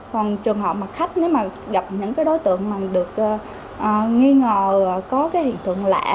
còn trường hợp mà khách gặp những đối tượng mà được nghi ngờ có hiện tượng lạ